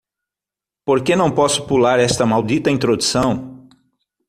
Por que não posso pular esta maldita introdução?